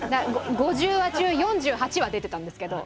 ５０話中４８話出てたんですけど。